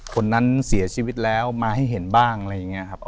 คนนั้นเสียชีวิตแล้วมาให้เห็นบ้างอะไรอย่างนี้ครับ